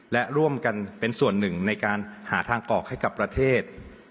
และร่วมกันเป็นส่วนหนึ่งในการหาทางออกให้กับประเทศ